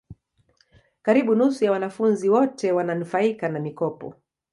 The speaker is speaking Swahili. karibu nusu ya wanafunzi wote wananufaika na mikopo